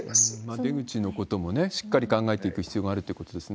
出口のこともしっかり考えていく必要があるってことですね。